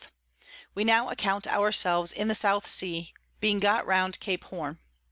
We now account our selves in the South Sea, being got round Cape Horne.